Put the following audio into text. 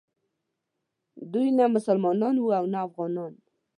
دوی نه مسلمانان وو او نه افغانان.